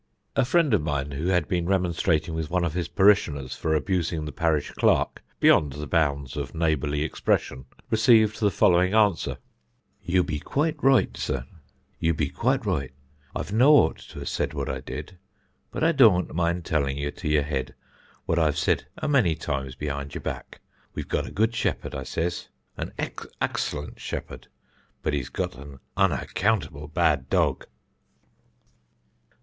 A friend of mine who had been remonstrating with one of his parishioners for abusing the parish clerk beyond the bounds of neighbourly expression, received the following answer: "You be quite right, sir; you be quite right. I'd no ought to have said what I did, but I dōānt mind telling you to your head what I've said a many times behind your back. We've got a good shepherd, I says, an axcellent shepherd, but he's got an unaccountable bad dog!"